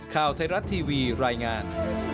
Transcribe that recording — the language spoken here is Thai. ข่าวไทยรัฐทีวีรายงาน